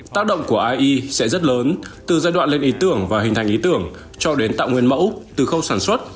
tác động của ai sẽ rất lớn từ giai đoạn lên ý tưởng và hình thành ý tưởng cho đến tạo nguyên mẫu từ khâu sản xuất